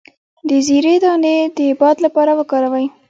د زیرې دانه د باد لپاره وکاروئ